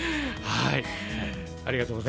はい。